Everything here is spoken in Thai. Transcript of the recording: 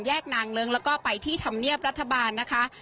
นางเลิ้งแล้วก็ไปที่ธรรมเนียบรัฐบาลนะคะ